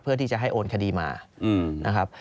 เพื่อที่จะให้โอนคดีมานะครับ